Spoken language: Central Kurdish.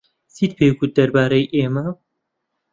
چیت پێ گوت دەربارەی ئێمە؟